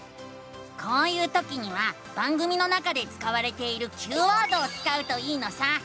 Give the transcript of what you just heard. こういうときには番組の中で使われているＱワードを使うといいのさ！